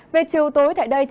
về chiều tối tại đây